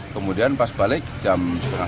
kemudian pas balik jam setengah